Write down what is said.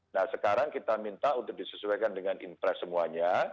nah sekarang kita minta untuk disesuaikan dengan impress semuanya